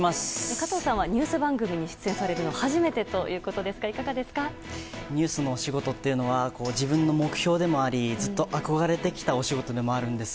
加藤さんはニュース番組に出演されるのは初めてということですがニュースの仕事というのは自分の目標でもありずっと憧れてきたお仕事でもあるんです。